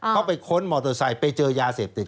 เขาไปค้นมอเตอร์ไซค์ไปเจอยาเสพติด